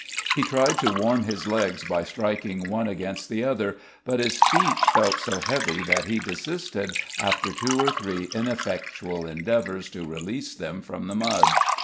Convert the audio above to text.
He tried to warm his legs by striking one against the other, but his feet felt so heavy that he desisted after two or three ineffectual endeavours to release them from the mud.